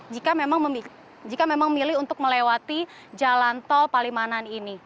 jika memang milih untuk melewati jalan tol palimanan ini